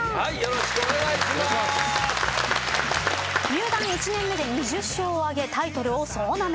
入団１年目で２０勝を挙げタイトルを総ナメ。